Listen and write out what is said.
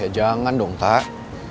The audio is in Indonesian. jangan dong tak